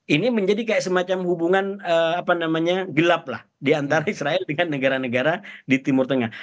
ini menjadi kayak semacam hubungan gelap lah diantara israel dengan negara negara di timur tengah